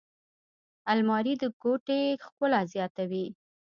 الماري د کوټې ښکلا زیاتوي